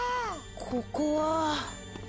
ここは？